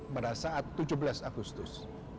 pada saat tujuh belas agustus